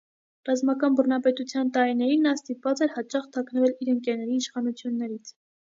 Ռազմական բռնապետության տարիներին նա ստիպված էր հաճախ թաքնվել իր ընկերների իշխանություններից։